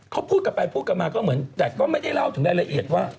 เขาพูดกันไปพูดกันมาก็เหมือนแต่ก็ไม่ได้เล่าถึงรายละเอียดว่า